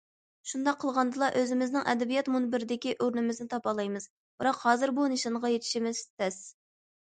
شۇنداق قىلغاندىلا ئۆزىمىزنىڭ ئەدەبىيات مۇنبىرىدىكى ئورنىمىزنى تاپالايمىز، بىراق، ھازىر بۇ نىشانغا يېتىشىمىز تەس.